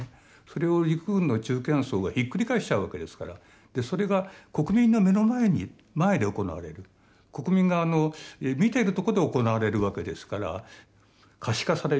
それを陸軍の中堅層がひっくり返しちゃうわけですからそれが国民の目の前で行われる国民が見てるとこで行われるわけですから。